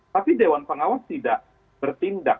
tapi dewan pengawas tidak bertindak